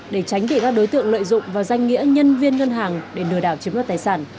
để tránh để ra đối tượng lợi dụng và danh nghĩa nhân viên ngân hàng để nửa đảo chiếm đoạt tài sản